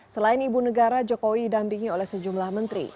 selain ibu negara jokowi didampingi oleh sejumlah menteri